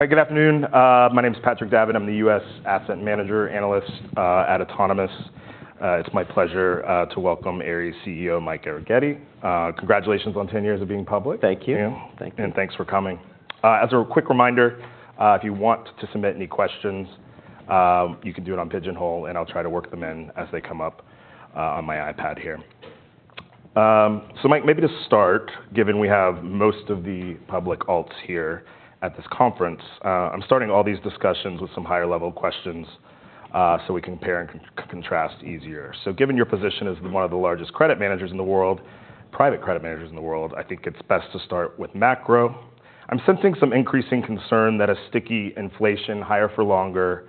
Good afternoon, my name is Patrick Davitt. I'm the U.S. Asset Manager Analyst at Autonomous. It's my pleasure to welcome Ares CEO, Mike Arougheti. Congratulations on 10 years of being public. Thank you. Yeah. Thank you. Thanks for coming. As a quick reminder, if you want to submit any questions, you can do it on Pigeonhole, and I'll try to work them in as they come up, on my iPad here. So Mike, maybe to start, given we have most of the public alts here at this conference, I'm starting all these discussions with some higher level questions, so we compare and contrast easier. Given your position as one of the largest credit managers in the world, private credit managers in the world, I think it's best to start with macro. I'm sensing some increasing concern that a sticky inflation, higher for longer,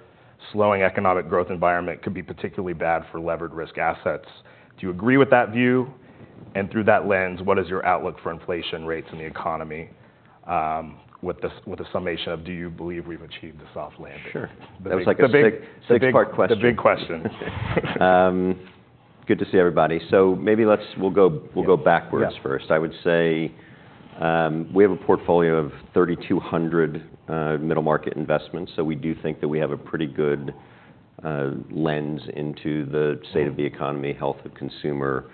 slowing economic growth environment, could be particularly bad for levered risk assets. Do you agree with that view? Through that lens, what is your outlook for inflation rates and the economy, with the summation of, do you believe we've achieved a soft landing? Sure. That was like a six- The big- Six-part question. The big question. Good to see everybody. So maybe let's... we'll go backwards first. Yeah. I would say, we have a portfolio of 3,200 middle market investments, so we do think that we have a pretty good lens into the state of the economy, health of consumer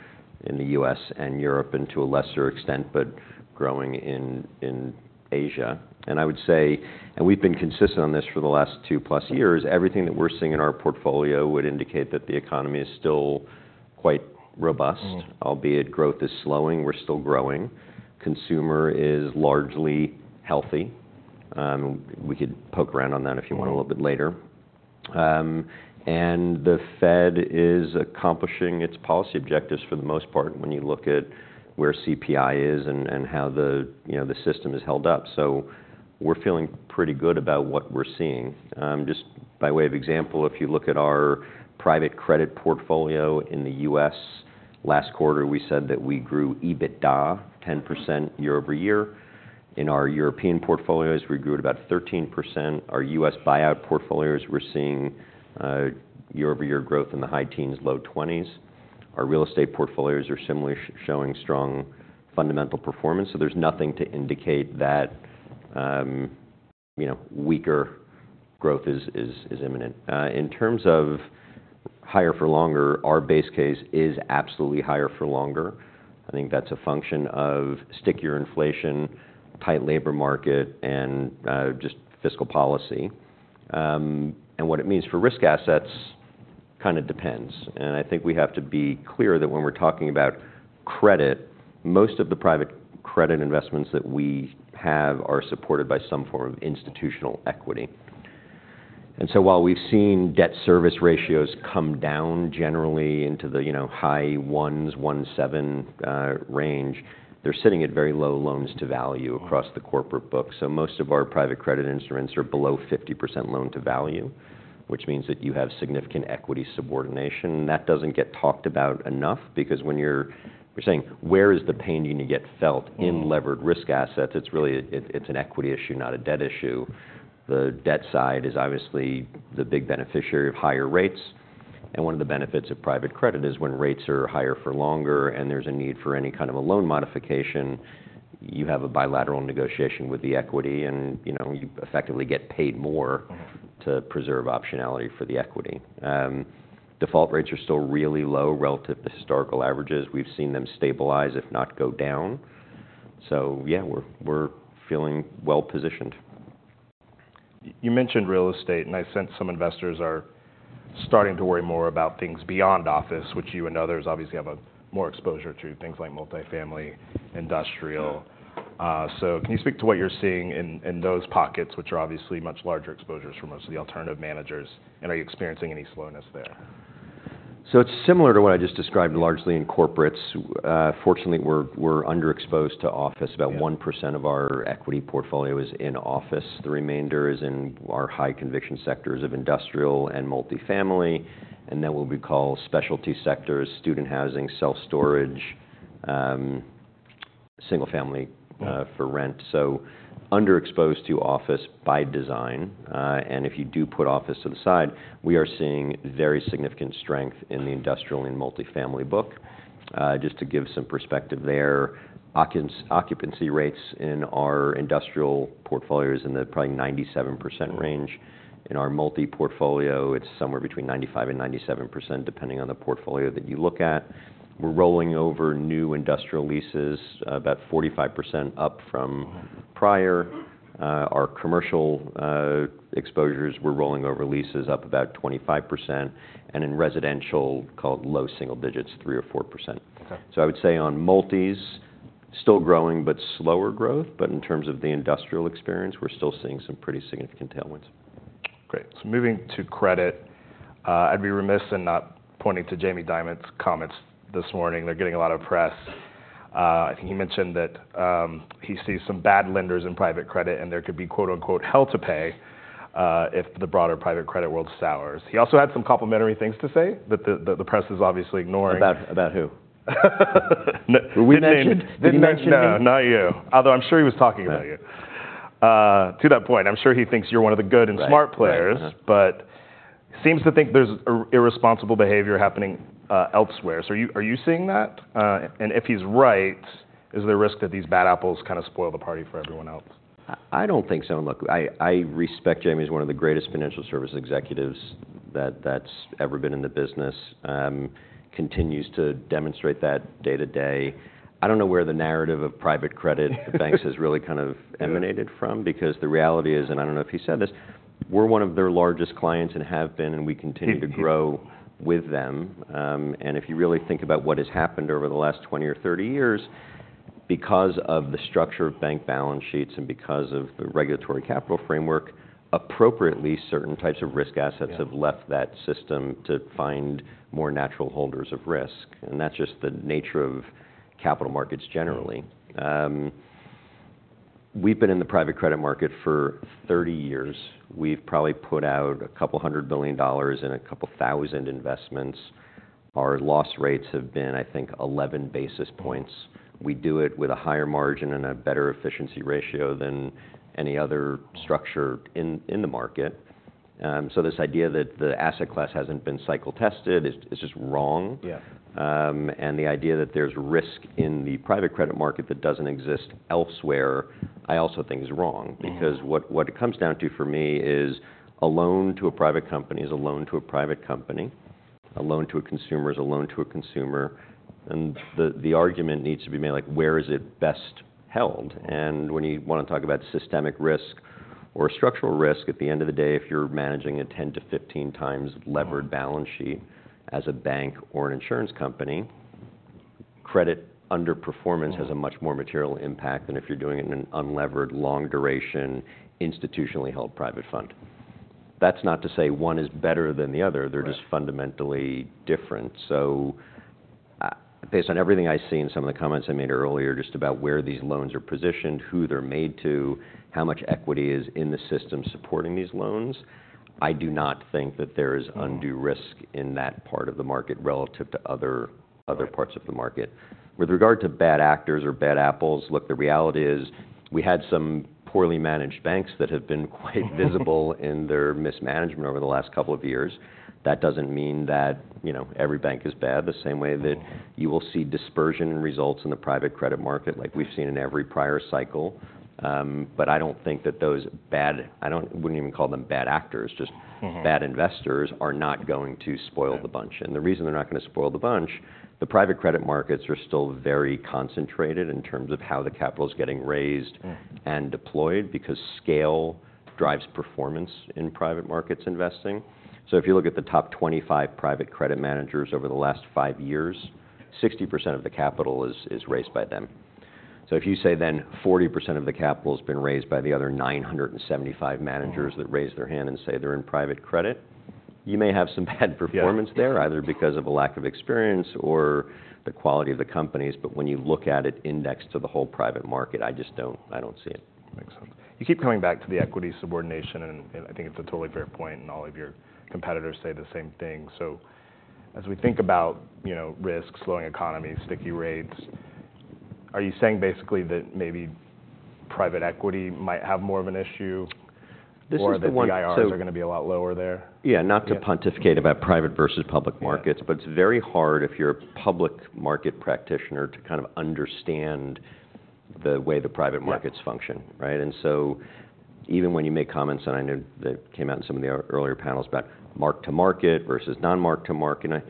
in the US and Europe, and to a lesser extent, but growing in Asia. And I would say, and we've been consistent on this for the last two plus years, everything that we're seeing in our portfolio would indicate that the economy is still quite robust. Mm. Albeit growth is slowing, we're still growing. Consumer is largely healthy. We could poke around on that if you want a little bit later. And the Fed is accomplishing its policy objectives for the most part, when you look at where CPI is and how the, you know, the system has held up. So we're feeling pretty good about what we're seeing. Just by way of example, if you look at our private credit portfolio in the U.S. last quarter, we said that we grew EBITDA 10% year-over-year. In our European portfolios, we grew at about 13%. Our U.S. buyout portfolios, we're seeing year-over-year growth in the high teens, low twenties. Our real estate portfolios are similarly showing strong fundamental performance, so there's nothing to indicate that, you know, weaker growth is imminent. In terms of higher for longer, our base case is absolutely higher for longer. I think that's a function of stickier inflation, tight labor market, and just fiscal policy. And what it means for risk assets kind of depends, and I think we have to be clear that when we're talking about credit, most of the private credit investments that we have are supported by some form of institutional equity. And so while we've seen debt service ratios come down generally into the, you know, high 1s, 1.7 range, they're sitting at very low loans to value- Mm... across the corporate book. So most of our private credit instruments are below 50% loan-to-value, which means that you have significant equity subordination. And that doesn't get talked about enough because when you're saying, "Where is the pain going to get felt in levered risk assets?" It's really, it's an equity issue, not a debt issue. The debt side is obviously the big beneficiary of higher rates, and one of the benefits of private credit is when rates are higher for longer and there's a need for any kind of a loan modification, you have a bilateral negotiation with the equity and, you know, you effectively get paid more- Mm... to preserve optionality for the equity. Default rates are still really low relative to historical averages. We've seen them stabilize, if not go down. So yeah, we're, we're feeling well positioned. You mentioned real estate, and I sense some investors are starting to worry more about things beyond office, which you and others obviously have a more exposure to things like multifamily, industrial. Yeah. So, can you speak to what you're seeing in those pockets, which are obviously much larger exposures for most of the alternative managers, and are you experiencing any slowness there? It's similar to what I just described, largely in corporates. Fortunately, we're underexposed to office. Yeah. About 1% of our equity portfolio is in office. The remainder is in our high conviction sectors of industrial and multifamily, and then what we call specialty sectors, student housing, self-storage- Mm... single family, for rent. Yeah. So underexposed to office by design. And if you do put office to the side, we are seeing very significant strength in the industrial and multifamily book. Just to give some perspective there, occupancy rates in our industrial portfolio is in the probably 97% range. In our multi-portfolio, it's somewhere between 95%-97%, depending on the portfolio that you look at. We're rolling over new industrial leases, about 45% up from- Mm... prior. Our commercial exposures, we're rolling over leases up about 25%, and in residential, call it low single digits, 3% or 4%. Okay. I would say on multis, still growing, but slower growth. But in terms of the industrial experience, we're still seeing some pretty significant tailwinds. Great. So moving to credit, I'd be remiss in not pointing to Jamie Dimon's comments this morning. They're getting a lot of press. I think he mentioned that he sees some bad lenders in private credit, and there could be, quote, unquote, "hell to pay," if the broader private credit world sours. He also had some complimentary things to say, that the press is obviously ignoring. About who? No- Were we mentioned? Didn't mention- Did he mention me? No, not you. Although I'm sure he was talking about you. Right. To that point, I'm sure he thinks you're one of the good and smart players. Right. Right, uh-huh. But seems to think there's irresponsible behavior happening elsewhere. So are you, are you seeing that? And if he's right, is there a risk that these bad apples kinda spoil the party for everyone else? I, I don't think so. And look, I, I respect Jamie. He's one of the greatest financial service executives that, that's ever been in the business, continues to demonstrate that day-to-day. I don't know where the narrative of private credit - the banks has really kind of- Yeah ...emanated from, because the reality is, and I don't know if he said this, we're one of their largest clients and have been, and we continue- Mm-hmm... to grow with them. And if you really think about what has happened over the last 20 or 30 years, because of the structure of bank balance sheets and because of the regulatory capital framework, appropriately, certain types of risk assets- Yeah... have left that system to find more natural holders of risk, and that's just the nature of capital markets generally. We've been in the private credit market for 30 years. We've probably put out $200 billion and 2,000 investments. Our loss rates have been, I think, 11 basis points. We do it with a higher margin and a better efficiency ratio than any other- Mm... structure in the market. So this idea that the asset class hasn't been cycle tested is just wrong. Yeah. The idea that there's risk in the private credit market that doesn't exist elsewhere, I also think is wrong. Mm-hmm. Because what it comes down to for me is a loan to a private company is a loan to a private company, a loan to a consumer is a loan to a consumer, and the argument needs to be made, like, where is it best held? And when you wanna talk about systemic risk or structural risk, at the end of the day, if you're managing a 10-15 times levered balance sheet as a bank or an insurance company, credit underperformance- Mm... has a much more material impact than if you're doing it in an unlevered, long-duration, institutionally held private fund. That's not to say one is better than the other- Right... they're just fundamentally different. So, based on everything I see and some of the comments I made earlier, just about where these loans are positioned, who they're made to, how much equity is in the system supporting these loans, I do not think that there is undue risk. Mm... in that part of the market relative to other parts of the market. With regard to bad actors or bad apples, look, the reality is, we had some poorly managed banks that have been quite visible in their mismanagement over the last couple of years. That doesn't mean that, you know, every bank is bad, the same way that- Mm... you will see dispersion in results in the private credit market, like we've seen in every prior cycle. But I don't think that those bad... I wouldn't even call them bad actors, just- Mm-hmm... bad investors are not going to spoil the bunch. Yeah. The reason they're not gonna spoil the bunch, the private credit markets are still very concentrated in terms of how the capital is getting raised- Mm... and deployed, because scale drives performance in private markets investing. So if you look at the top 25 private credit managers over the last five years, 60% of the capital is raised by them. So if you say then 40% of the capital has been raised by the other 975 managers- Mm... that raised their hand and say they're in private credit, you may have some bad performance there- Yeah... either because of a lack of experience or the quality of the companies. But when you look at it indexed to the whole private market, I just don't, I don't see it. Makes sense. You keep coming back to the equity subordination, and I think it's a totally fair point, and all of your competitors say the same thing. So as we think about, you know, risk, slowing economy, sticky rates, are you saying basically that maybe private equity might have more of an issue? This is the one- Or the IRRs are gonna be a lot lower there? Yeah. Yeah. Not to pontificate about private versus public markets- Yeah... but it's very hard if you're a public market practitioner, to kind of understand the way the private markets- Yeah... function, right? And so even when you make comments, and I know that came out in some of the earlier panels about mark-to-market versus non-mark-to-market, and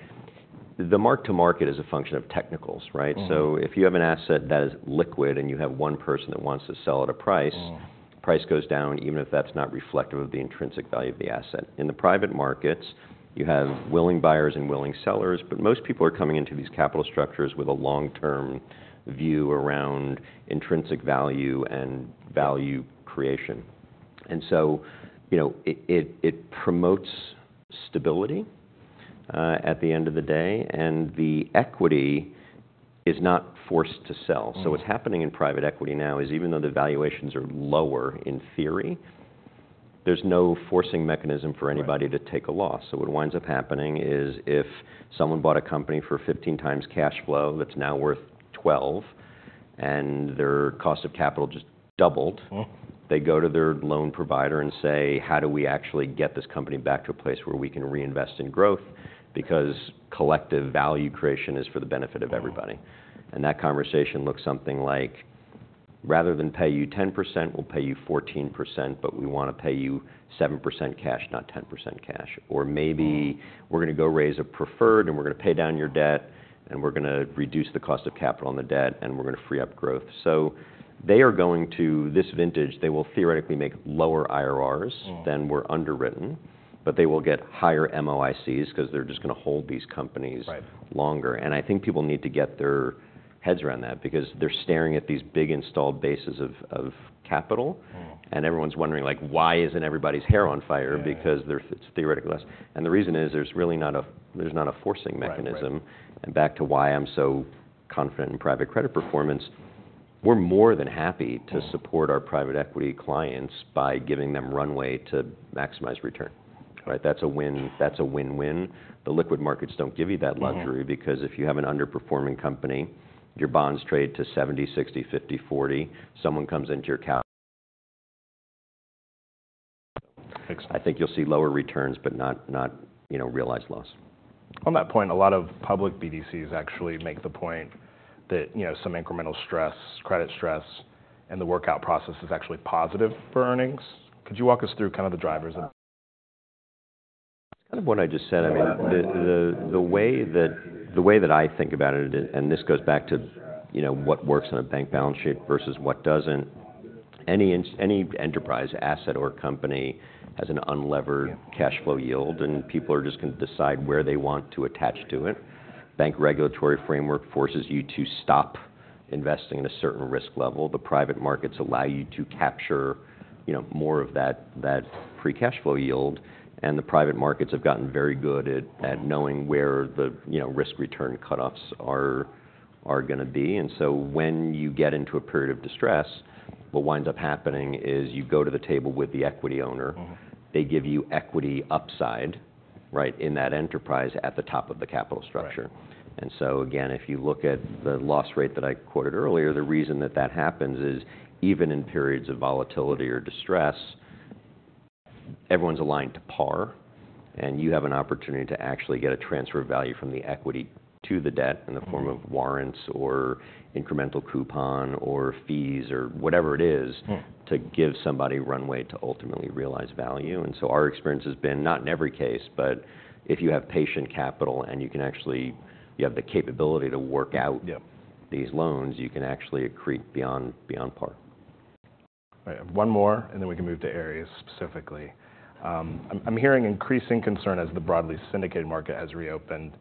the mark-to-market is a function of technicals, right? Mm-hmm. If you have an asset that is liquid and you have one person that wants to sell at a price- Mm... the price goes down, even if that's not reflective of the intrinsic value of the asset. In the private markets, you have willing buyers and willing sellers, but most people are coming into these capital structures with a long-term view around intrinsic value and value creation. And so you know, it promotes stability at the end of the day, and the equity is not forced to sell. Mm. So what's happening in private equity now is, even though the valuations are lower, in theory, there's no forcing mechanism for anybody- Right... to take a loss. So what winds up happening is, if someone bought a company for 15 times cash flow that's now worth 12, and their cost of capital just doubled- Mm... they go to their loan provider and say: How do we actually get this company back to a place where we can reinvest in growth? Because collective value creation is for the benefit of everybody. Mm. That conversation looks something like, "Rather than pay you 10%, we'll pay you 14%, but we wanna pay you 7% cash, not 10% cash. Or maybe- Mm... we're gonna go raise a preferred, and we're gonna pay down your debt, and we're gonna reduce the cost of capital on the debt, and we're gonna free up growth." So they are going to... This vintage, they will theoretically make lower IRRs. Mm... than were underwritten, but they will get higher MOICs, 'cause they're just gonna hold these companies- Right... longer. And I think people need to get their heads around that, because they're staring at these big installed bases of, of capital- Mm... and everyone's wondering, like, "Why isn't everybody's hair on fire? Yeah. Because they're theoretically less. And the reason is, there's really not a forcing mechanism. Right, right. Back to why I'm so confident in private credit performance, we're more than happy- Mm... to support our private equity clients by giving them runway to maximize return, right? That's a win. That's a win-win. The liquid markets don't give you that luxury- Yeah... because if you have an underperforming company, your bonds trade to 70, 60, 50, 40, someone comes into your ca-... I think you'll see lower returns, but not, not, you know, realized loss. On that point, a lot of public BDCs actually make the point that, you know, some incremental stress, credit stress, and the workout process is actually positive for earnings. Could you walk us through kind of the drivers of that? Kind of what I just said. I mean, the way that I think about it, and this goes back to, you know, what works in a bank balance sheet versus what doesn't. Any enterprise, asset, or company has an unlevered cash flow yield, and people are just gonna decide where they want to attach to it. Bank regulatory framework forces you to stop investing in a certain risk level. The private markets allow you to capture, you know, more of that free cash flow yield, and the private markets have gotten very good at knowing where the, you know, risk-return cutoffs are gonna be. And so when you get into a period of distress, what winds up happening is you go to the table with the equity owner- Mm-hmm. They give you equity upside, right? In that enterprise at the top of the capital structure. Right. So again, if you look at the loss rate that I quoted earlier, the reason that that happens is, even in periods of volatility or distress, everyone's aligned to par, and you have an opportunity to actually get a transfer of value from the equity to the debt. Mm-hmm... in the form of warrants or incremental coupon or fees or whatever it is- Hmm... to give somebody runway to ultimately realize value. And so our experience has been, not in every case, but if you have patient capital and you can actually... You have the capability to work out- Yep... these loans, you can actually accrete beyond par. Right. One more, and then we can move to Ares specifically. I'm hearing increasing concern as the broadly syndicated market has reopened,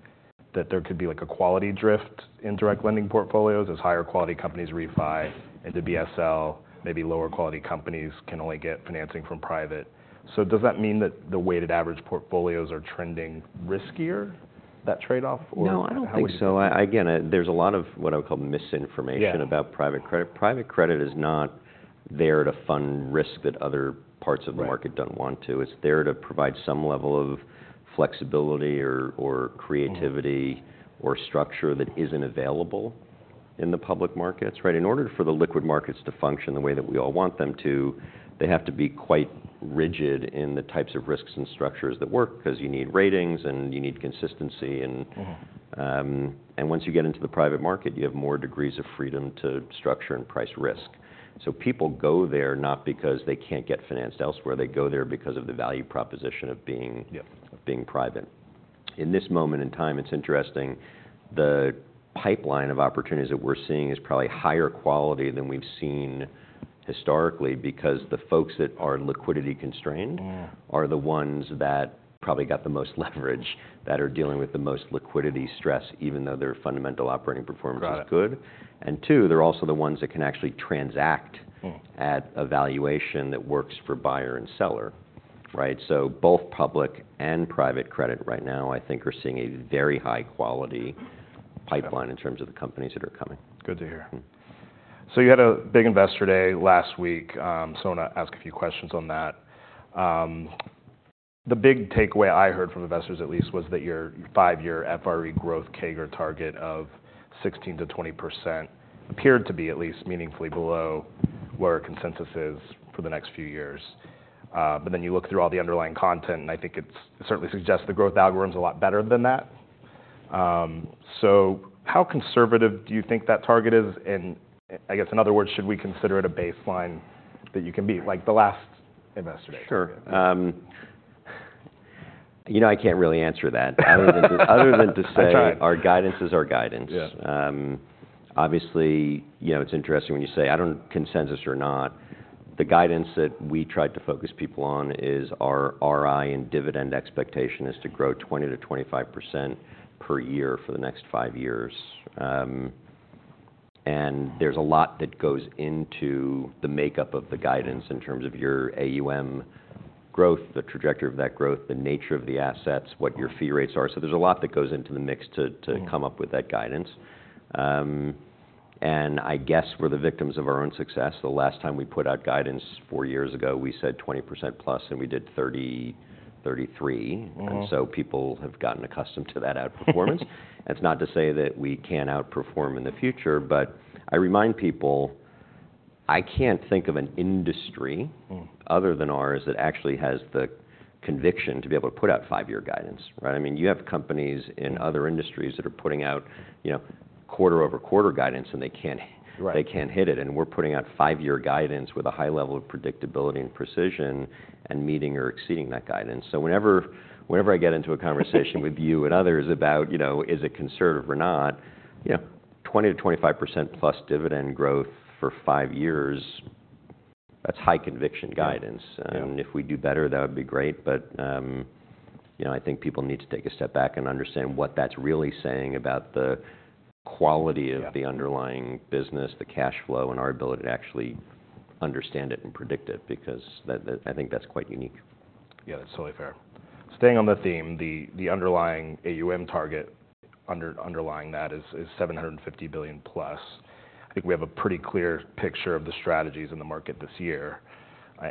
that there could be, like, a quality drift in direct lending portfolios as higher quality companies refi into BSL, maybe lower quality companies can only get financing from private. So does that mean that the weighted average portfolios are trending riskier, that trade-off, or how would you- No, I don't think so. I, again, there's a lot of what I would call misinformation- Yeah... about private credit. Private credit is not there to fund risk that other parts of the market- Right... don't want to. It's there to provide some level of flexibility or creativity- Mm... or structure that isn't available in the public markets, right? In order for the liquid markets to function the way that we all want them to, they have to be quite rigid in the types of risks and structures that work, 'cause you need ratings, and you need consistency, and- Mm-hmm... and once you get into the private market, you have more degrees of freedom to structure and price risk. So people go there not because they can't get financed elsewhere. They go there because of the value proposition of being- Yep... of being private. In this moment in time, it's interesting, the pipeline of opportunities that we're seeing is probably higher quality than we've seen historically, because the folks that are liquidity constrained- Mm... are the ones that probably got the most leverage, that are dealing with the most liquidity stress, even though their fundamental operating performance is good. Got it. And two, they're also the ones that can actually transact- Hmm... at a valuation that works for buyer and seller, right? So both public and private credit right now, I think, are seeing a very high quality pipeline- Yep... in terms of the companies that are coming. Good to hear. Mm. So you had a big investor day last week, so I wanna ask a few questions on that. The big takeaway I heard from investors, at least, was that your five-year FRE growth CAGR target of 16%-20% appeared to be at least meaningfully below where consensus is for the next few years. But then you look through all the underlying content, and I think it's, it certainly suggests the growth algorithm's a lot better than that. So how conservative do you think that target is? And I guess, in other words, should we consider it a baseline that you can beat, like the last investor day? Sure. You know, I can't really answer that other than to, other than to say- I tried... our guidance is our guidance. Yeah. Obviously, you know, it's interesting when you say... I don't know, consensus or not, the guidance that we try to focus people on is our RI and dividend expectation is to grow 20%-25% per year for the next five years. And there's a lot that goes into the makeup of the guidance in terms of your AUM growth, the trajectory of that growth, the nature of the assets- Mm... what your fee rates are. So there's a lot that goes into the mix to- Mm... to come up with that guidance. And I guess we're the victims of our own success. The last time we put out guidance four years ago, we said 20% plus, and we did 30, 33. Mm. And so people have gotten accustomed to that outperformance. That's not to say that we can't outperform in the future, but I remind people, I can't think of an industry- Mm... other than ours, that actually has the conviction to be able to put out five-year guidance, right? I mean, you have companies in other industries that are putting out, you know, quarter-over-quarter guidance, and they can't- Right... they can't hit it, and we're putting out five-year guidance with a high level of predictability and precision, and meeting or exceeding that guidance. So whenever I get into a conversation with you and others about, you know, is it conservative or not, you know, 20%-25% plus dividend growth for five years, that's high-conviction guidance. Yeah. If we do better, that would be great, but, you know, I think people need to take a step back and understand what that's really saying about the quality- Yeah... of the underlying business, the cash flow, and our ability to actually understand it and predict it, because that, that... I think that's quite unique. Yeah, that's totally fair. Staying on the theme, the underlying AUM target underlying that is $750 billion plus. I think we have a pretty clear picture of the strategies in the market this year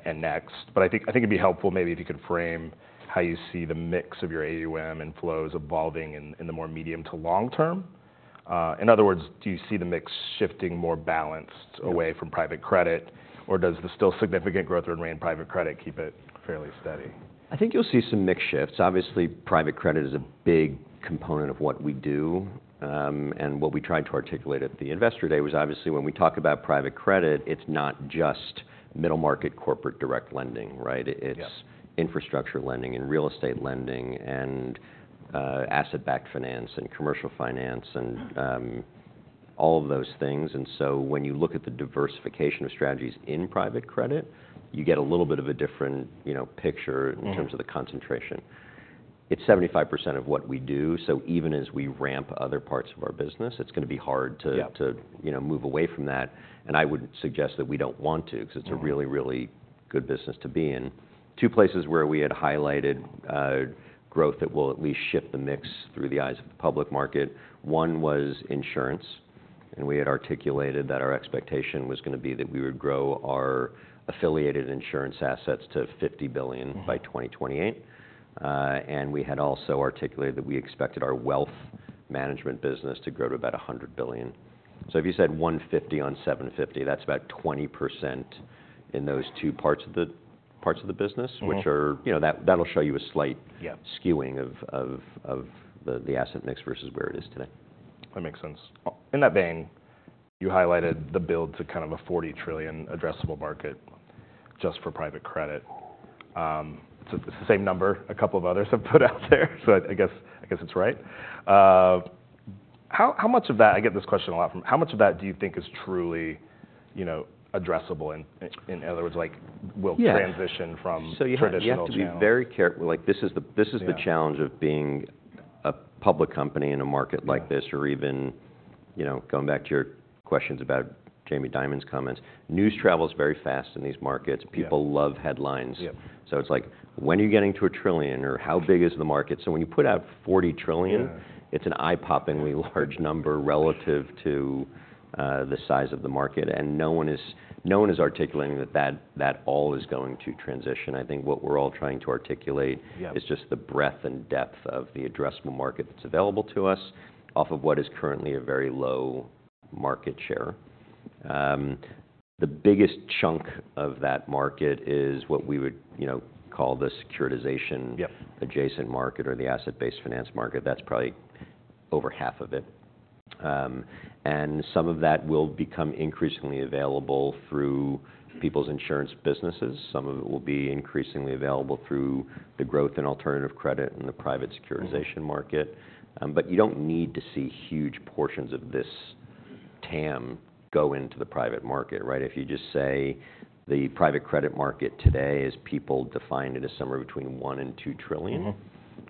and next, but I think it'd be helpful maybe if you could frame how you see the mix of your AUM and flows evolving in the more medium- to long-term? In other words, do you see the mix shifting more balanced away from private credit? Or does the still significant growth rate in private credit keep it fairly steady? I think you'll see some mix shifts. Obviously, private credit is a big component of what we do. And what we tried to articulate at the Investor Day was obviously, when we talk about private credit, it's not just middle-market corporate direct lending, right? Yeah. It's infrastructure lending and real estate lending and asset-backed finance and commercial finance, and all of those things. And so when you look at the diversification of strategies in private credit, you get a little bit of a different, you know, picture- Mm-hmm... in terms of the concentration. It's 75% of what we do, so even as we ramp other parts of our business, it's gonna be hard to- Yeah... to, you know, move away from that, and I wouldn't suggest that we don't want to- Mm... 'cause it's a really, really good business to be in. Two places where we had highlighted growth that will at least shift the mix through the eyes of the public market, one was insurance, and we had articulated that our expectation was gonna be that we would grow our affiliated insurance assets to $50 billion- Mm... by 2028. And we had also articulated that we expected our wealth management business to grow to about $100 billion. So if you said $150 billion on $750 billion, that's about 20% in those two parts of the, parts of the business- Mm... which are, you know, that'll show you a slight- Yeah... skewing of the asset mix versus where it is today. That makes sense. In that vein, you highlighted the build to kind of a $40 trillion addressable market just for private credit. It's the same number a couple of others have put out there, so I guess it's right. How much of that... I get this question a lot from: how much of that do you think is truly, you know, addressable, in other words, like, will- Yeah... transition from- So you have- - traditional channels? You have to be very careful—like, this is the- Yeah... this is the challenge of being a public company in a market like this. Yeah... or even, you know, going back to your questions about Jamie Dimon's comments, news travels very fast in these markets. Yeah. People love headlines. Yeah. So it's like, "When are you getting to a trillion?" or, "How big is the market?" So when you put out $40 trillion- Yeah... it's an eye-poppingly large number relative to the size of the market, and no one is, no one is articulating that, that, that all is going to transition. I think what we're all trying to articulate- Yeah... is just the breadth and depth of the addressable market that's available to us off of what is currently a very low market share. The biggest chunk of that market is what we would, you know, call the securitization- Yeah... adjacent market or the asset-based finance market. That's probably over half of it. And some of that will become increasingly available through people's insurance businesses. Some of it will be increasingly available through the growth in alternative credit and the private securitization market. Mm. But you don't need to see huge portions of this TAM go into the private market, right? If you just say the private credit market today, as people define it, is somewhere between $1-$2 trillion. Mm-hmm.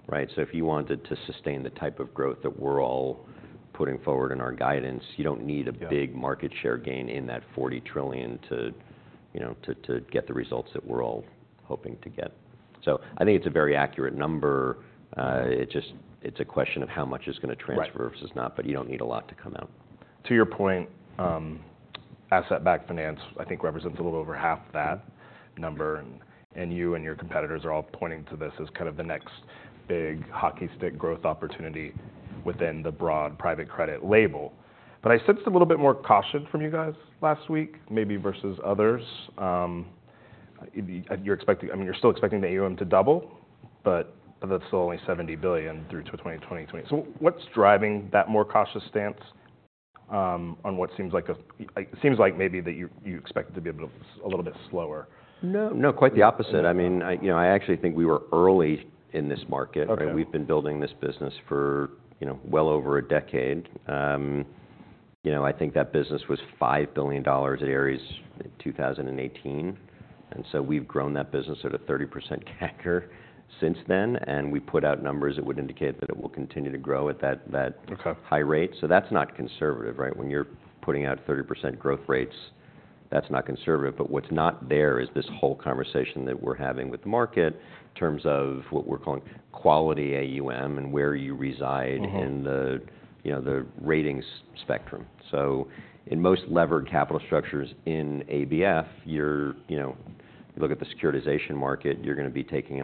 Right? So if you wanted to sustain the type of growth that we're all putting forward in our guidance, you don't need a- Yeah... big market share gain in that $40 trillion to, you know, to, to get the results that we're all hoping to get. So I think it's a very accurate number. It just... It's a question of how much is gonna transfer- Right... versus not, but you don't need a lot to come out. To your point, asset-backed finance, I think, represents a little over half that number, and, and you and your competitors are all pointing to this as kind of the next big hockey stick growth opportunity within the broad private credit label. But I sensed a little bit more caution from you guys last week, maybe versus others. You're expecting—I mean, you're still expecting the AUM to double, but that's still only $70 billion through to 2020. So what's driving that more cautious stance, on what seems like a, it seems like maybe that you, you expect it to be a bit, a little bit slower. No, no, quite the opposite. I mean, I, you know, I actually think we were early in this market. Okay. We've been building this business for, you know, well over a decade. You know, I think that business was $5 billion at Ares in 2018, and so we've grown that business at a 30% CAGR since then, and we put out numbers that would indicate that it will continue to grow at that, that- Okay... high rate. So that's not conservative, right? When you're putting out 30% growth rates, that's not conservative. But what's not there is this whole conversation that we're having with the market in terms of what we're calling quality AUM and where you reside- Mm-hmm... in the, you know, the ratings spectrum. So in most levered capital structures, in ABF, you're... You know, you look at the securitization market, you're gonna be taking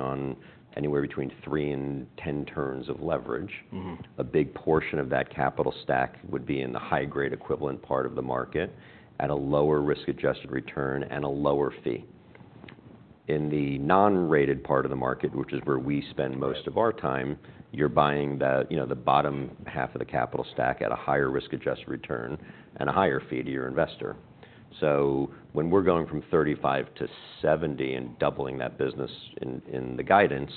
on anywhere between 3-10 turns of leverage. Mm-hmm. A big portion of that capital stack would be in the high-grade equivalent part of the market, at a lower risk-adjusted return and a lower fee. In the non-rated part of the market, which is where we spend most of our time, you're buying the, you know, the bottom half of the capital stack at a higher risk-adjusted return and a higher fee to your investor. So when we're going from 35 to 70 and doubling that business in the guidance,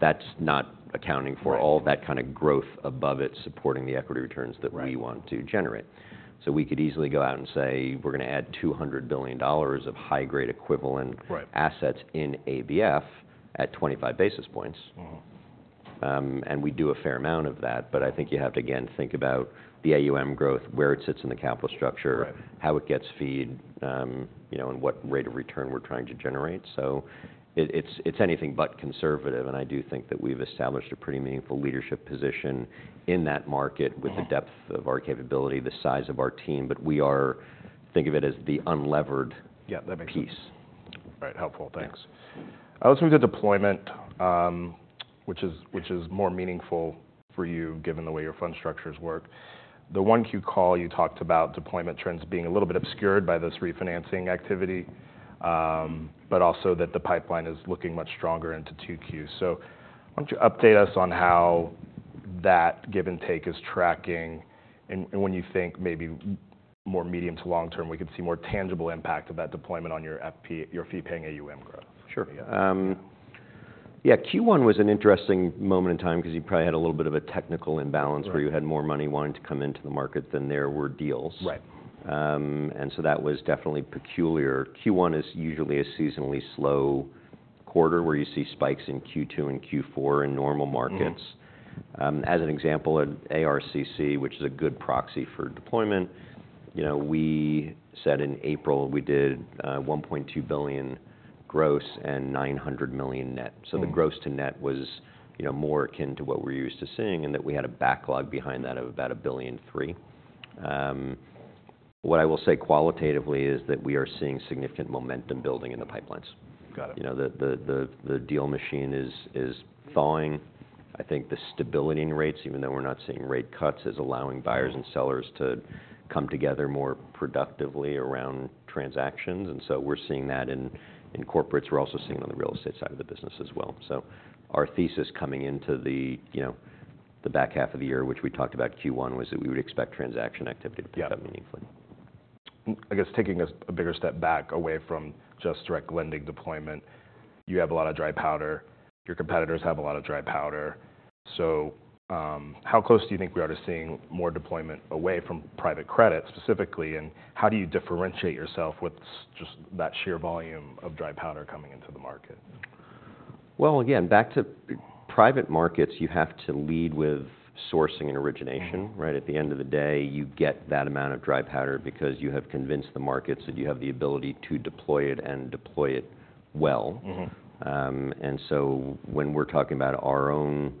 that's not accounting for- Right... all that kind of growth above it, supporting the equity returns that- Right... we want to generate. So we could easily go out and say, "We're gonna add $200 billion of high-grade equivalent- Right... assets in ABF at 25 basis points. Mm-hmm. We do a fair amount of that, but I think you have to, again, think about the AUM growth, where it sits in the capital structure- Right... how it gets fee'd, you know, and what rate of return we're trying to generate. So it's anything but conservative, and I do think that we've established a pretty meaningful leadership position in that market- Mm... with the depth of our capability, the size of our team, but we are-- think of it as the unlevered- Yeah, that makes sense.... piece.... Right, helpful. Thanks. I'll switch to deployment, which is, which is more meaningful for you, given the way your fund structures work. The 1Q call, you talked about deployment trends being a little bit obscured by this refinancing activity, but also that the pipeline is looking much stronger into 2Q. So why don't you update us on how that give and take is tracking, and, and when you think maybe more medium to long term, we could see more tangible impact of that deployment on your fee-paying AUM growth? Sure. Yeah, Q1 was an interesting moment in time 'cause you probably had a little bit of a technical imbalance- Right... where you had more money wanting to come into the market than there were deals. Right. And so that was definitely peculiar. Q1 is usually a seasonally slow quarter, where you see spikes in Q2 and Q4 in normal markets. Mm-hmm. As an example, at ARCC, which is a good proxy for deployment, you know, we said in April, we did $1.2 billion gross and $900 million net. Mm. So the gross to net was, you know, more akin to what we're used to seeing, and that we had a backlog behind that of about $1.3 billion. What I will say qualitatively is that we are seeing significant momentum building in the pipelines. Got it. You know, the deal machine is thawing. I think the stability in rates, even though we're not seeing rate cuts, is allowing buyers- Mm... and sellers to come together more productively around transactions, and so we're seeing that in corporates. We're also seeing it on the real estate side of the business as well. So our thesis coming into the, you know, the back half of the year, which we talked about Q1, was that we would expect transaction activity to pick up meaningfully. Got it. I guess taking a bigger step back, away from just direct lending deployment, you have a lot of dry powder, your competitors have a lot of dry powder. So, how close do you think we are to seeing more deployment away from private credit, specifically, and how do you differentiate yourself with just that sheer volume of dry powder coming into the market? Well, again, back to private markets, you have to lead with sourcing and origination. Mm. Right? At the end of the day, you get that amount of dry powder because you have convinced the markets that you have the ability to deploy it and deploy it well. Mm-hmm. When we're talking about our own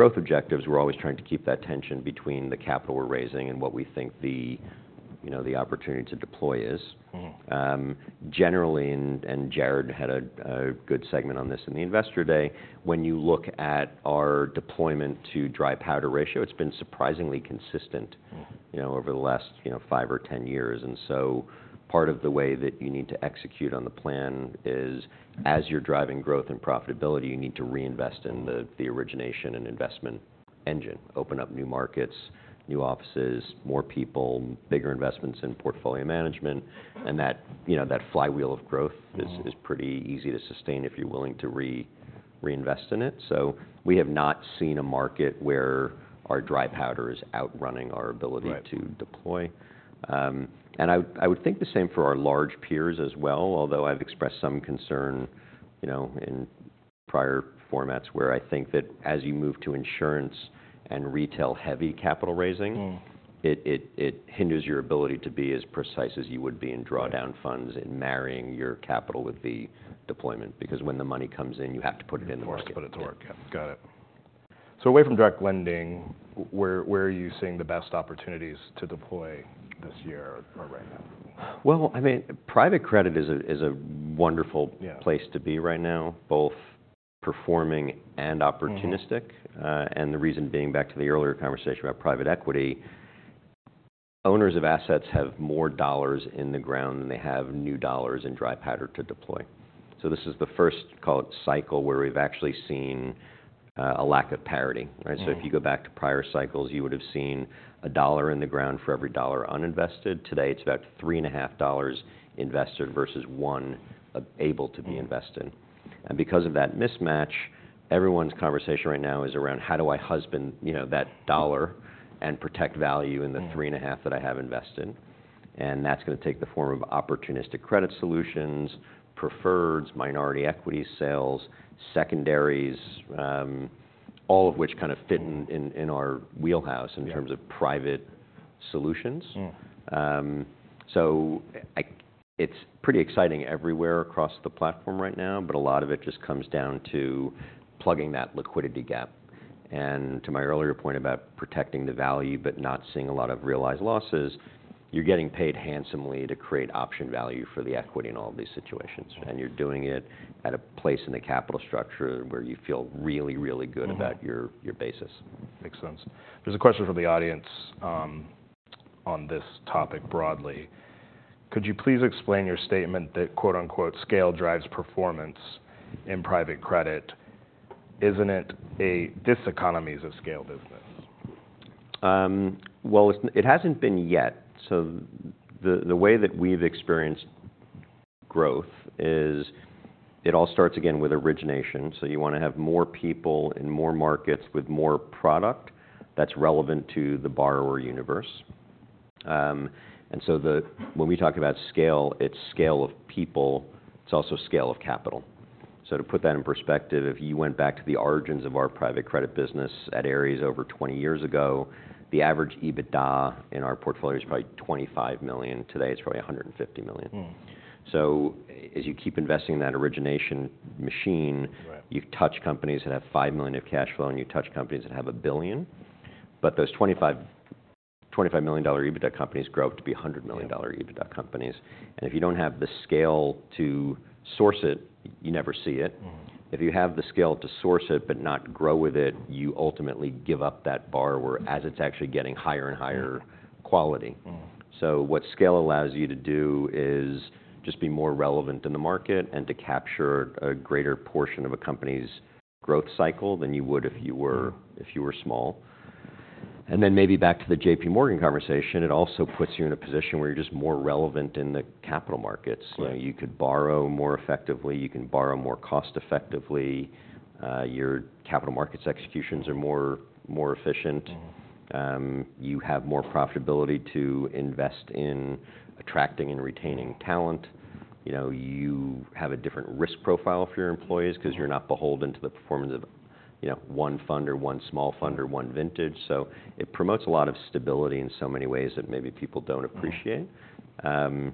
growth objectives, we're always trying to keep that tension between the capital we're raising and what we think the, you know, the opportunity to deploy is. Mm. Generally, Jarrod had a good segment on this in the Investor Day, when you look at our deployment to dry powder ratio, it's been surprisingly consistent- Mm... you know, over the last, you know, five or 10 years. And so part of the way that you need to execute on the plan is, as you're driving growth and profitability, you need to reinvest in the origination and investment engine. Open up new markets, new offices, more people, bigger investments in portfolio management, and that, you know, that flywheel of growth- Mm... is pretty easy to sustain if you're willing to reinvest in it. So we have not seen a market where our dry powder is outrunning our ability- Right... to deploy. I would think the same for our large peers as well. Although I've expressed some concern, you know, in prior formats, where I think that as you move to insurance and retail-heavy capital raising- Mm... it hinders your ability to be as precise as you would be in drawdown funds- Right... in marrying your capital with the deployment, because when the money comes in, you have to put it in the market. You have to put it to work, yeah. Got it. So away from direct lending, where, where are you seeing the best opportunities to deploy this year or right now? Well, I mean, private credit is a wonderful- Yeah... place to be right now, both performing and opportunistic. Mm-hmm. And the reason being, back to the earlier conversation about private equity, owners of assets have more dollars in the ground than they have new dollars in dry powder to deploy. So this is the first, call it, cycle, where we've actually seen a lack of parity, right? Mm. So if you go back to prior cycles, you would have seen $1 in the ground for every $1 uninvested. Today, it's about $3.5 invested versus $1 able to be invested. Mm. Because of that mismatch, everyone's conversation right now is around: How do I husband, you know, that dollar and protect value- Yeah... in the 3.5 that I have invested? And that's gonna take the form of opportunistic credit solutions, preferreds, minority equity sales, secondaries, all of which kind of fit in our wheelhouse- Yeah... in terms of private solutions. Mm. It's pretty exciting everywhere across the platform right now, but a lot of it just comes down to plugging that liquidity gap. To my earlier point about protecting the value but not seeing a lot of realized losses, you're getting paid handsomely to create option value for the equity in all of these situations. Right You're doing it at a place in the capital structure where you feel really, really good- Mm... about your basis. Makes sense. There's a question from the audience, on this topic broadly: Could you please explain your statement that, quote, unquote, "Scale drives performance in private credit?" Isn't it a diseconomies of scale business? Well, it's... It hasn't been yet. So the way that we've experienced growth is, it all starts again with origination. So you wanna have more people in more markets with more product that's relevant to the borrower universe. And so then when we talk about scale, it's scale of people, it's also scale of capital. So to put that in perspective, if you went back to the origins of our private credit business at Ares over 20 years ago, the average EBITDA in our portfolio is probably $25 million. Today, it's probably $150 million. Mm. So as you keep investing in that origination machine- Right... you touch companies that have $5 million of cash flow, and you touch companies that have $1 billion. But those $25 million-... $25 million EBITDA companies grow up to be $100 million- Yeah - EBITDA companies. If you don't have the scale to source it, you never see it. Mm. If you have the scale to source it but not grow with it, you ultimately give up that bar whereas it's actually getting higher and higher- Yeah - quality. Mm. What scale allows you to do is just be more relevant in the market, and to capture a greater portion of a company's growth cycle than you would if you were- Mm If you were small. Then maybe back to the J.P. Morgan conversation, it also puts you in a position where you're just more relevant in the capital markets. Yeah. You know, you could borrow more effectively, you can borrow more cost-effectively, your capital markets executions are more efficient. Mm. You have more profitability to invest in attracting and retaining talent. You know, you have a different risk profile for your employees- Mm 'cause you're not beholden to the performance of, you know, one fund or one small fund or one vintage. Mm. It promotes a lot of stability in so many ways that maybe people don't appreciate. Mm.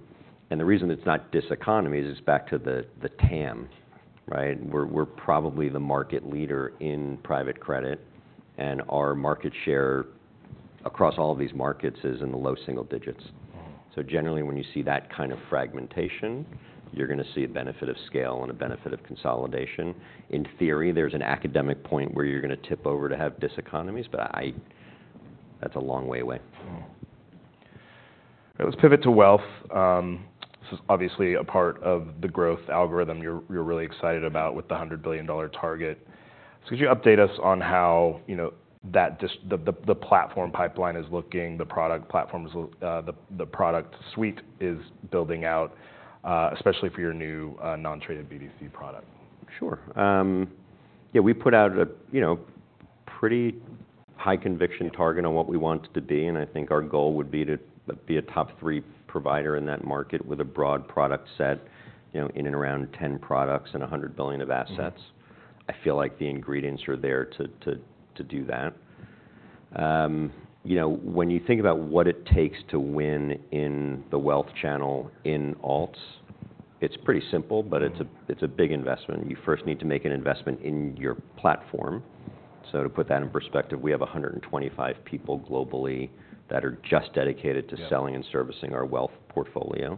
The reason it's not diseconomies is back to the TAM, right? We're, we're probably the market leader in private credit, and our market share across all of these markets is in the low single digits. Mm. Generally, when you see that kind of fragmentation, you're gonna see a benefit of scale and a benefit of consolidation. In theory, there's an academic point where you're gonna tip over to have diseconomies, but I... That's a long way away. Let's pivot to wealth. This is obviously a part of the growth algorithm you're really excited about with the $100 billion target. So could you update us on how, you know, the platform pipeline is looking, the product platforms, the product suite is building out, especially for your new non-traded BDC product? Sure. Yeah, we put out a, you know, pretty high conviction target on what we want to be, and I think our goal would be to be a top three provider in that market with a broad product set, you know, in and around 10 products and $100 billion of assets. Mm. I feel like the ingredients are there to do that. You know, when you think about what it takes to win in the wealth channel in alts, it's pretty simple- Mm... but it's a big investment. You first need to make an investment in your platform. So to put that in perspective, we have 125 people globally that are just dedicated to- Yeah - selling and servicing our wealth portfolio.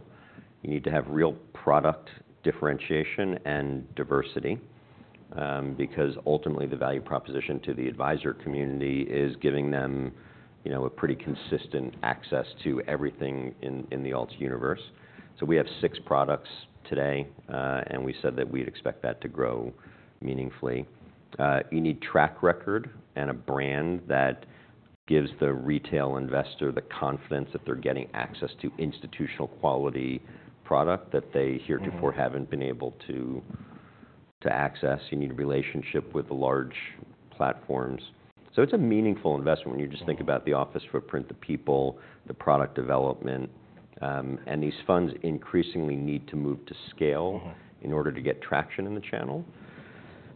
You need to have real product differentiation and diversity, because ultimately the value proposition to the advisor community is giving them, you know, a pretty consistent access to everything in, in the alt universe. So we have six products today, and we said that we'd expect that to grow meaningfully. You need track record and a brand that gives the retail investor the confidence that they're getting access to institutional quality product that they heretofore- Mm... haven't been able to access. You need a relationship with the large platforms. So it's a meaningful investment when you just- Mm - think about the office footprint, the people, the product development. These funds increasingly need to move to scale- Mm-hmm in order to get traction in the channel.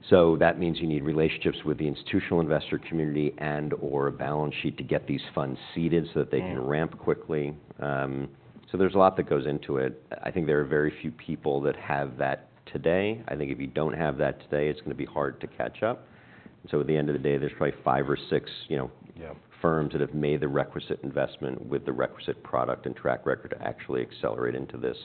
So that means you need relationships with the institutional investor community and/or a balance sheet to get these funds seeded so that they- Mm - can ramp quickly. So there's a lot that goes into it. I think there are very few people that have that today. I think if you don't have that today, it's gonna be hard to catch up. So at the end of the day, there's probably five or six, you know- Yeah... firms that have made the requisite investment with the requisite product and track record to actually accelerate into this.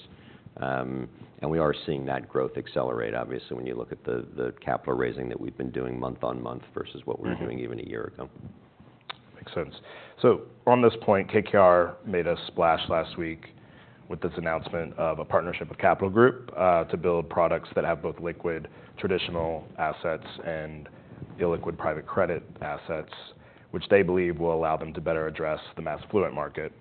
And we are seeing that growth accelerate, obviously, when you look at the capital raising that we've been doing month-on-month versus what we were doing- Mm-hmm... even a year ago. Makes sense. So on this point, KKR made a splash last week with this announcement of a partnership with Capital Group, to build products that have both liquid, traditional assets, and illiquid private credit assets, which they believe will allow them to better address the mass affluent market.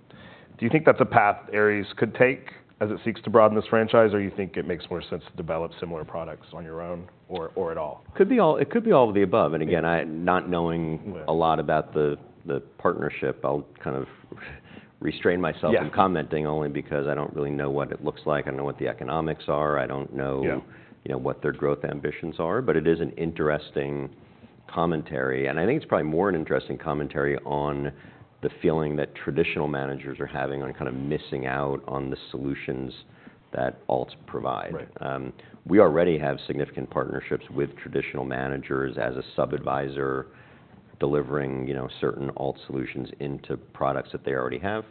Do you think that's a path Ares could take as it seeks to broaden this franchise, or you think it makes more sense to develop similar products on your own, or, or at all? It could be all of the above. Yeah. And again, I... not knowing- Right... a lot about the partnership, I'll kind of restrain myself- Yeah From commenting, only because I don't really know what it looks like. I don't know what the economics are. I don't know- Yeah... you know, what their growth ambitions are. But it is an interesting commentary, and I think it's probably more an interesting commentary on the feeling that traditional managers are having on kind of missing out on the solutions that alts provide. Right. We already have significant partnerships with traditional managers as a sub-adviser, delivering, you know, certain alt solutions into products that they already have.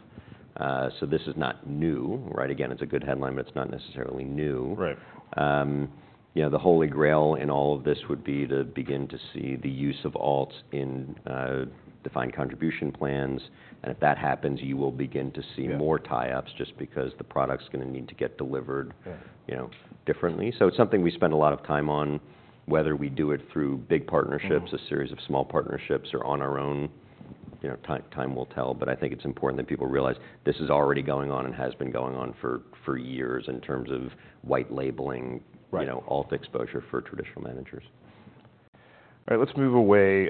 So this is not new, right? Again, it's a good headline, but it's not necessarily new. Right. You know, the Holy Grail in all of this would be to begin to see the use of alts in defined contribution plans. If that happens, you will begin to see- Yeah... more tie-ups just because the product's gonna need to get delivered- Yeah... you know, differently. So it's something we spend a lot of time on, whether we do it through big partnerships- Mm-hmm... a series of small partnerships, or on our own, you know, time, time will tell. But I think it's important that people realize this is already going on and has been going on for, for years in terms of white labeling- Right ... you know, alt exposure for traditional managers. All right, let's move away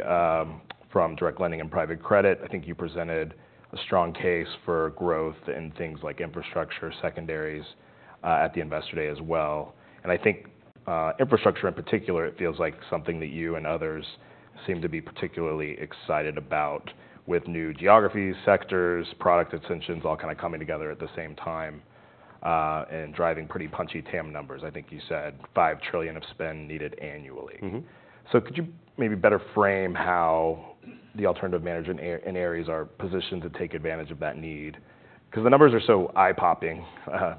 from direct lending and private credit. I think you presented a strong case for growth in things like infrastructure, secondaries, at the Investor Day as well. And I think, infrastructure in particular, it feels like something that you and others seem to be particularly excited about, with new geographies, sectors, product extensions, all kind of coming together at the same time... and driving pretty punchy TAM numbers. I think you said $5 trillion of spend needed annually. Mm-hmm. So could you maybe better frame how the alternative management arm in Ares are positioned to take advantage of that need? Because the numbers are so eye-popping,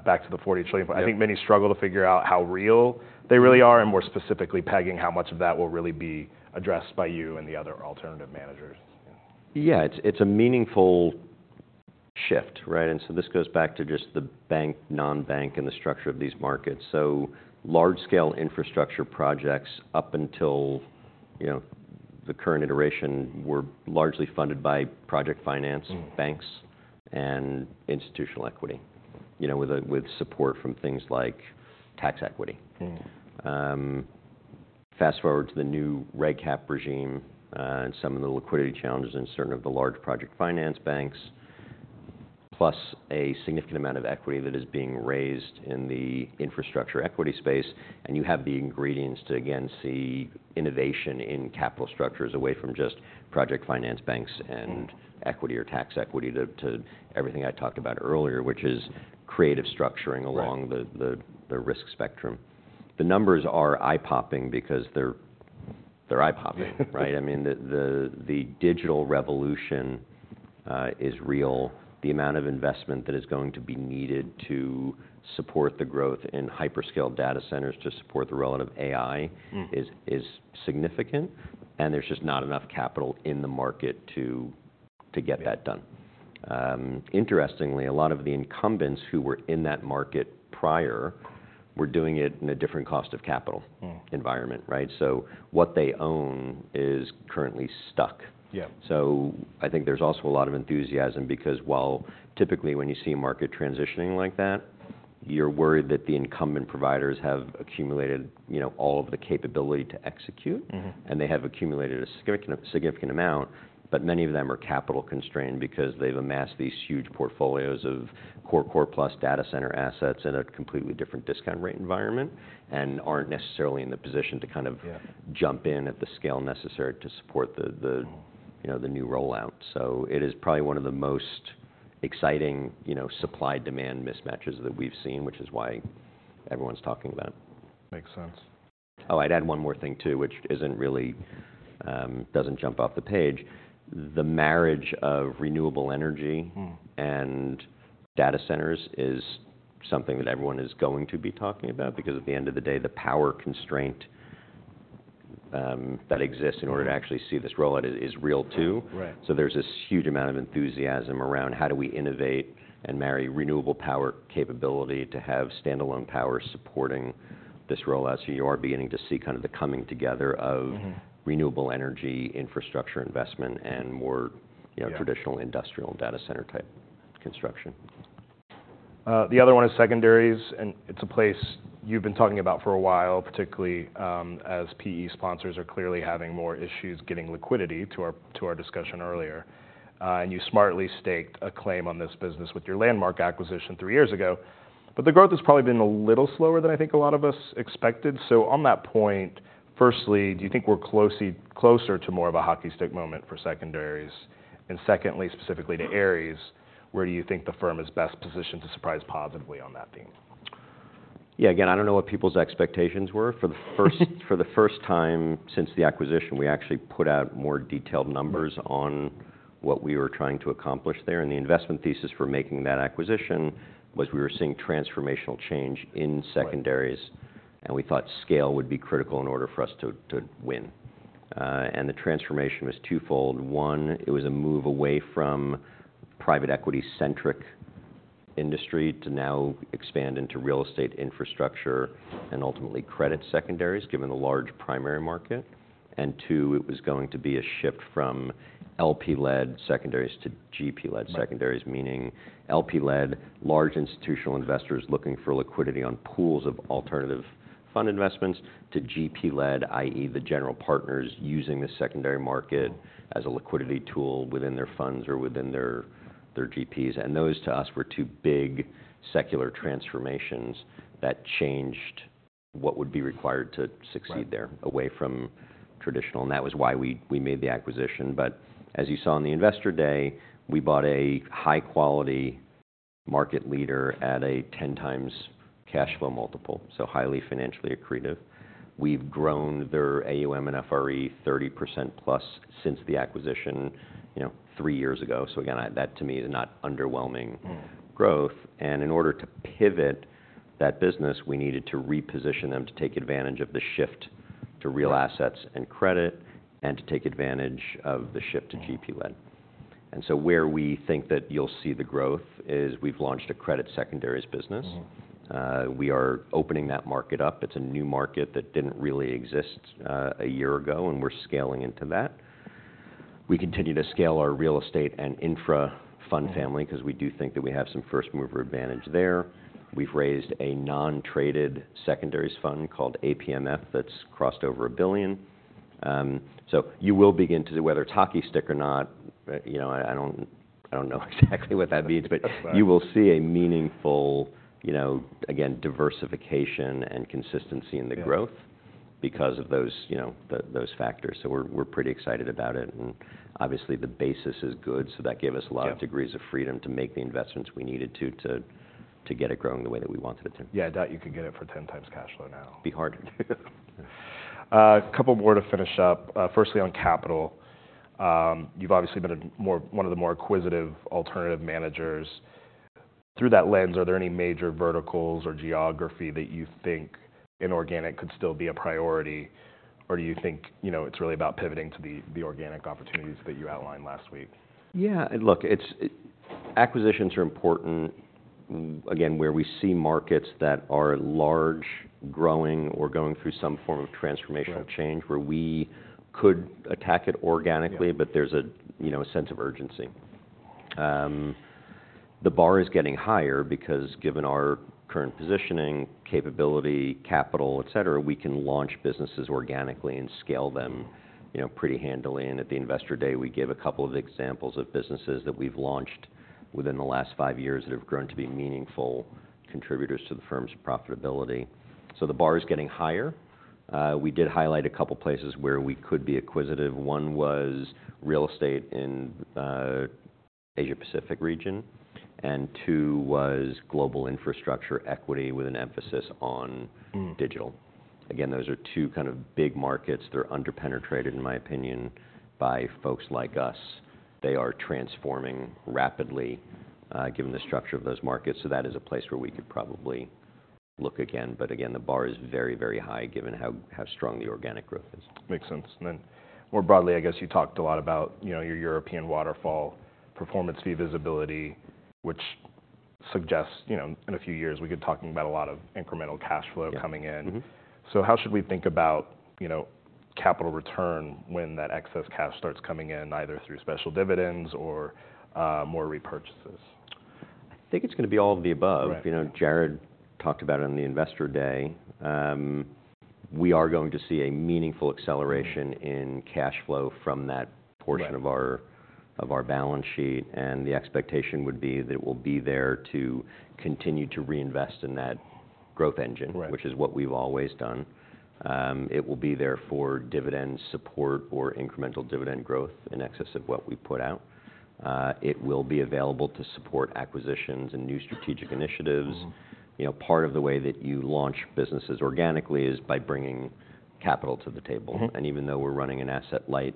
back to the $40 trillion- Yeah. I think many struggle to figure out how real they really are, and more specifically, pegging how much of that will really be addressed by you and the other alternative managers. Yeah, it's, it's a meaningful shift, right? And so this goes back to just the bank, non-bank, and the structure of these markets. So large-scale infrastructure projects up until, you know, the current iteration, were largely funded by project finance- Mm... banks and institutional equity, you know, with support from things like tax equity. Mm. Fast-forward to the new reg cap regime, and some of the liquidity challenges in certain of the large project finance banks, plus a significant amount of equity that is being raised in the infrastructure equity space, and you have the ingredients to again see innovation in capital structures away from just project finance banks- Mm... and equity or tax equity, to everything I talked about earlier, which is creative structuring- Right... along the risk spectrum. The numbers are eye-popping because they're eye-popping. Right? I mean, the digital revolution is real. The amount of investment that is going to be needed to support the growth in hyperscale data centers to support the relative AI- Mm... is significant, and there's just not enough capital in the market to get that done. Yeah. Interestingly, a lot of the incumbents who were in that market prior were doing it in a different cost of capital. Mm... environment, right? So what they own is currently stuck. Yeah. So I think there's also a lot of enthusiasm, because while typically when you see a market transitioning like that, you're worried that the incumbent providers have accumulated, you know, all of the capability to execute- Mm-hmm... and they have accumulated a significant, significant amount, but many of them are capital-constrained because they've amassed these huge portfolios of core, core-plus data center assets at a completely different discount rate environment, and aren't necessarily in the position to kind of- Yeah... jump in at the scale necessary to support the Mm... you know, the new rollout. So it is probably one of the most exciting, you know, supply-demand mismatches that we've seen, which is why everyone's talking about it. Makes sense. Oh, I'd add one more thing, too, which isn't really, doesn't jump off the page. The marriage of renewable energy- Mm... and data centers is something that everyone is going to be talking about. Because at the end of the day, the power constraint that exists- Mm... in order to actually see this rollout is real, too. Right. So there's this huge amount of enthusiasm around how do we innovate and marry renewable power capability to have standalone power supporting this rollout? So you are beginning to see kind of the coming together of- Mm-hmm... renewable energy, infrastructure investment, and more- Yeah... you know, traditional industrial and data center-type construction. The other one is secondaries, and it's a place you've been talking about for a while, particularly, as PE sponsors are clearly having more issues getting liquidity, to our discussion earlier. And you smartly staked a claim on this business with your landmark acquisition three years ago, but the growth has probably been a little slower than I think a lot of us expected. So on that point, firstly, do you think we're closer to more of a hockey stick moment for secondaries? And secondly, specifically to Ares, where do you think the firm is best positioned to surprise positively on that theme? Yeah, again, I don't know what people's expectations were. For the first, for the first time since the acquisition, we actually put out more detailed numbers on what we were trying to accomplish there, and the investment thesis for making that acquisition was we were seeing transformational change in secondaries- Right... and we thought scale would be critical in order for us to win. And the transformation was twofold. One, it was a move away from private equity-centric industry to now expand into real estate infrastructure and ultimately credit secondaries, given the large primary market. And two, it was going to be a shift from LP-led secondaries to GP-led secondaries- Right... meaning LP-led, large institutional investors looking for liquidity on pools of alternative fund investments, to GP-led, i.e., the general partners using the secondary market as a liquidity tool within their funds or within their GPs. And those, to us, were two big secular transformations that changed what would be required to succeed there- Right... away from traditional, and that was why we, we made the acquisition. But as you saw in the Investor Day, we bought a high-quality market leader at a 10x cash flow multiple, so highly financially accretive. We've grown their AUM and FRE 30%+ since the acquisition, you know, three years ago. So again, that to me is not underwhelming- Mm... growth. In order to pivot that business, we needed to reposition them to take advantage of the shift to real assets and credit, and to take advantage of the shift to GP-led. Mm. And so where we think that you'll see the growth is, we've launched a credit secondaries business. Mm. We are opening that market up. It's a new market that didn't really exist a year ago, and we're scaling into that. We continue to scale our real estate and infra fund family- Mm... 'cause we do think that we have some first mover advantage there. We've raised a non-traded secondaries fund called APMF that's crossed over $1 billion. So you will begin to... Whether it's hockey stick or not, you know, I don't know exactly what that means- That's all right.... but you will see a meaningful, you know, again, diversification and consistency in the growth... because of those, you know, the, those factors. So we're, we're pretty excited about it, and obviously the basis is good, so that gave us a lot- Yeah of degrees of freedom to make the investments we needed to get it growing the way that we wanted it to. Yeah, I doubt you could get it for 10x cash flow now. Be hard to do. A couple more to finish up. Firstly, on capital, you've obviously been one of the more acquisitive alternative managers. Through that lens, are there any major verticals or geography that you think inorganic could still be a priority? Or do you think, you know, it's really about pivoting to the organic opportunities that you outlined last week? Yeah, look, it's... Acquisitions are important, again, where we see markets that are large, growing, or going through some form of transformational change- Right... where we could attack it organically- Yeah... but there's a, you know, a sense of urgency. The bar is getting higher because given our current positioning, capability, capital, et cetera, we can launch businesses organically and scale them, you know, pretty handily. At the Investor Day, we gave a couple of examples of businesses that we've launched within the last five years that have grown to be meaningful contributors to the firm's profitability. So the bar is getting higher. We did highlight a couple places where we could be acquisitive. One was real estate in Asia-Pacific region, and two was global infrastructure equity with an emphasis on- Mm... digital. Again, those are two kind of big markets. They're under-penetrated, in my opinion, by folks like us. They are transforming rapidly, given the structure of those markets, so that is a place where we could probably look again. But again, the bar is very, very high, given how strong the organic growth is. Makes sense. And then more broadly, I guess you talked a lot about, you know, your European waterfall performance fee visibility, which suggests, you know, in a few years we could be talking about a lot of incremental cash flow- Yeah... coming in. Mm-hmm. How should we think about, you know, capital return when that excess cash starts coming in, either through special dividends or more repurchases? I think it's gonna be all of the above. Right. You know, Jared talked about it on the Investor Day. We are going to see a meaningful acceleration- Mm... in cash flow from that portion- Right... of our balance sheet, and the expectation would be that it will be there to continue to reinvest in that growth engine- Right... which is what we've always done. It will be there for dividend support or incremental dividend growth in excess of what we put out. It will be available to support acquisitions and new strategic initiatives. Mm. You know, part of the way that you launch businesses organically is by bringing capital to the table. Mm-hmm. Even though we're running an asset-light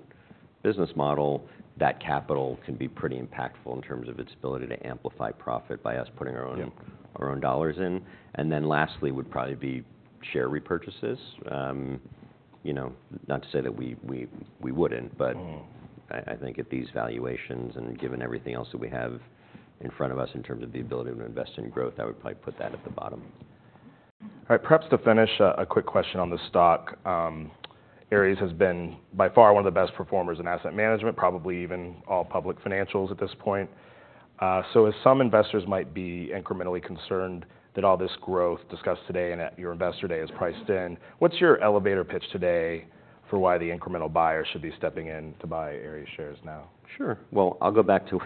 business model, that capital can be pretty impactful in terms of its ability to amplify profit by us putting our own- Yeah... our own dollars in. And then lastly, would probably be share repurchases. You know, not to say that we wouldn't, but- Mm... I think at these valuations, and given everything else that we have in front of us in terms of the ability to invest in growth, I would probably put that at the bottom. All right. Perhaps to finish, a quick question on the stock. Ares has been by far one of the best performers in asset management, probably even all public financials at this point. So as some investors might be incrementally concerned that all this growth discussed today and at your Investor Day is priced in, what's your elevator pitch today for why the incremental buyers should be stepping in to buy Ares shares now? Sure. Well, I'll go back to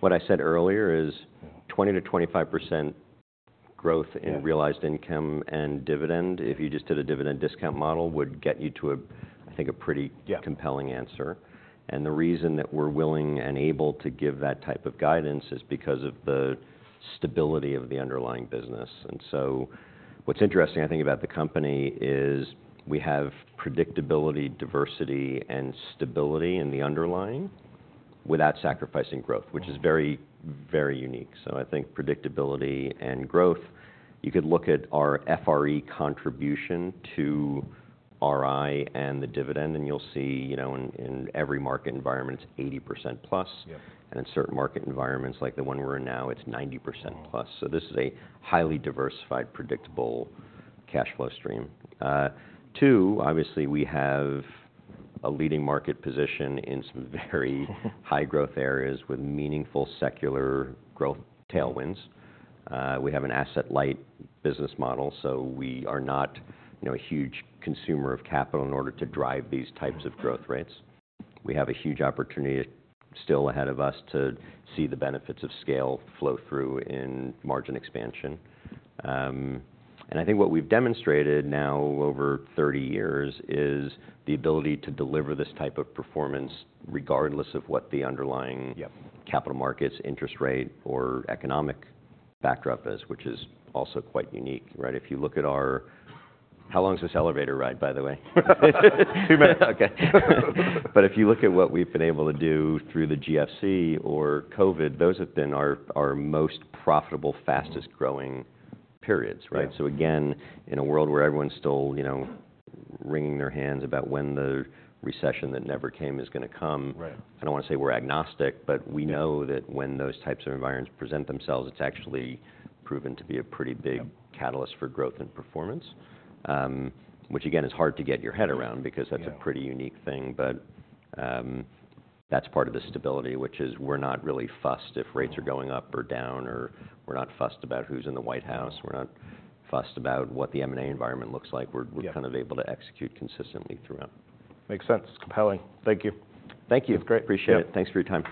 what I said earlier, is- Mm... 20%-25% growth- Yeah... in realized income and dividend, if you just did a dividend discount model, would get you to a, I think, a pretty- Yeah... compelling answer. The reason that we're willing and able to give that type of guidance is because of the stability of the underlying business. So what's interesting, I think, about the company is we have predictability, diversity, and stability in the underlying without sacrificing growth- Mm... which is very, very unique. So I think predictability and growth. You could look at our FRE contribution to RI and the dividend, and you'll see, you know, in every market environment, it's 80%+. Yeah. In certain market environments, like the one we're in now, it's 90%+. Wow. So this is a highly diversified, predictable cash flow stream. Two, obviously we have a leading market position in some very high growth areas with meaningful secular growth tailwinds. We have an asset-light business model, so we are not, you know, a huge consumer of capital in order to drive these types of growth rates. We have a huge opportunity still ahead of us to see the benefits of scale flow through in margin expansion. And I think what we've demonstrated now over 30 years is the ability to deliver this type of performance, regardless of what the underlying- Yeah... capital markets, interest rate, or economic backdrop is, which is also quite unique, right? If you look at our... How long is this elevator ride, by the way? Two minutes. Okay. But if you look at what we've been able to do through the GFC or COVID, those have been our, our most profitable, fastest-growing periods, right? Yeah. So again, in a world where everyone's still, you know, wring their hands about when the recession that never came is gonna come- Right... I don't want to say we're agnostic, but we know- Yeah... that when those types of environments present themselves, it's actually proven to be a pretty big- Yeah... catalyst for growth and performance. Which again, is hard to get your head around- Yeah... because that's a pretty unique thing. But, that's part of the stability, which is we're not really fussed if rates are going up or down, or we're not fussed about who's in the White House. We're not fussed about what the M&A environment looks like. Yeah. We're kind of able to execute consistently throughout. Makes sense. Compelling. Thank you. Thank you. Great. Appreciate it. Yeah. Thanks for your time.